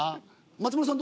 松丸さん